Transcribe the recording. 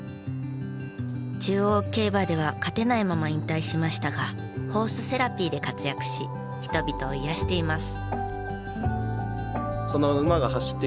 中央競馬では勝てないまま引退しましたがホースセラピーで活躍し人々を癒やしています。